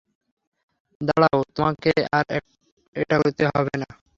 দাঁড়াও, তোমাকে আর এটা করতে হবে না।